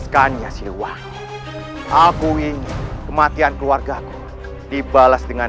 ketempat yang aman